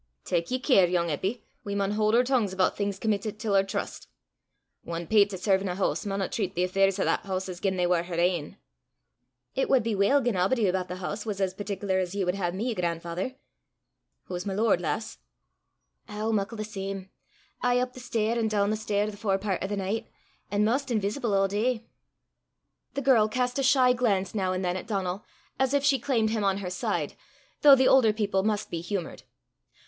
"Tak ye care, yoong Eppy! We maun haud oor tongues aboot things committit til oor trust. Ane peyt to serve in a hoose maunna tre't the affairs o' that hoose as gien they war her ain." "It wad be weel gien a'body about the hoose was as partic'lar as ye wad hae me, gran'father!" "Hoo's my lord, lass?" "Ow, muckle the same aye up the stair an' doon the stair the forepairt o' the nicht, an' maist inveesible a' day." The girl cast a shy glance now and then at Donal, as if she claimed him on her side, though the older people must be humoured.